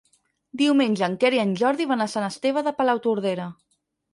Diumenge en Quer i en Jordi van a Sant Esteve de Palautordera.